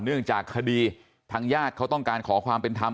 เนื่องจากคดีทางญาติเขาต้องการขอความเป็นธรรม